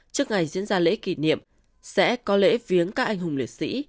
trước ngày diễn ra lễ kỷ niệm sẽ có lễ viếng các anh hùng liệt sĩ